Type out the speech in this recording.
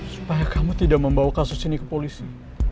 supaya kamu tidak membawa kasus ini ke polisi